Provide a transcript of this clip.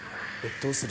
どうする？